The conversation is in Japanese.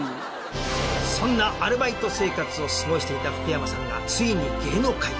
そんなアルバイト生活を過ごしていた福山さんがついに芸能界へ。